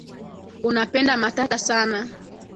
Unapenda matata sana.